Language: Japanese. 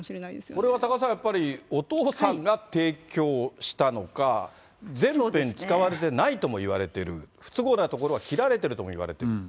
これは多賀さん、やっぱり、お父さんが提供したのか、全編使われてないともいわれている、不都合なところは切られてるともいわれている。